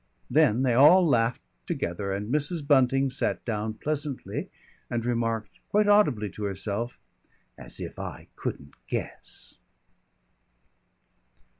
Then they all laughed together, and Mrs. Bunting sat down pleasantly and remarked, quite audibly to herself, "As if I couldn't guess."